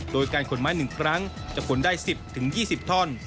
โดยการขนไม้๑ครั้งจะขนได้๑๐๒๐ท่อน